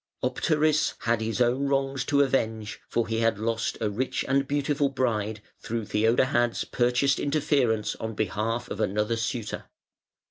Optaris had his own wrongs to avenge, for he had lost a rich and beautiful bride through Theodahad's purchased interference on behalf of another suitor.